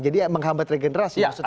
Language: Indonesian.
jadi menghambat regenerasi